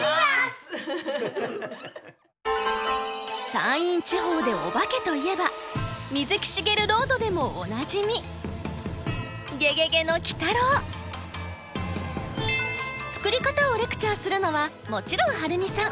山陰地方でおばけといえば水木しげるロードでもおなじみ作り方をレクチャーするのはもちろん晴美さん。